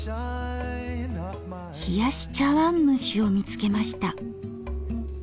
冷やし茶わんむしを見つけました。